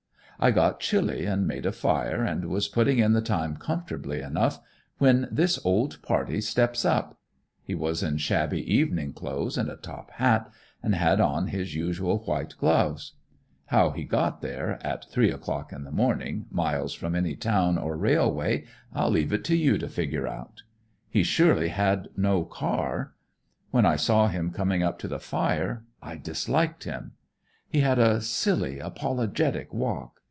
I got chilly and made a fire, and was putting in the time comfortably enough, when this old party steps up. He was in shabby evening clothes and a top hat, and had on his usual white gloves. How he got there, at three o'clock in the morning, miles from any town or railway, I'll leave it to you to figure out. He surely had no car. When I saw him coming up to the fire, I disliked him. He had a silly, apologetic walk.